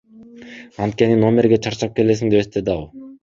Анткени номерге чарчап келесиң, — деп эстеди ал.